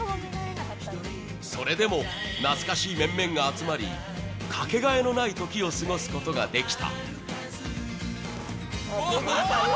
それでも懐かしい面々が集まり、かけがえのない時を過ごすことができた。